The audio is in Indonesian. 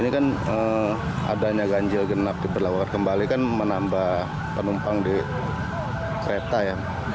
ini kan adanya ganjil genap diperlakukan kembali kan menambah penumpang di kereta ya